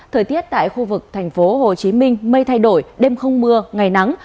thời tiết tại khu vực tp hcm mây thay đổi đêm không mưa ngày nắng